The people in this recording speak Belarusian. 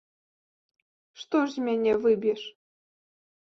Што ж з мяне выб'еш?